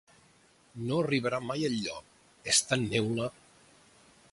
No arribarà mai enlloc: és tan neula!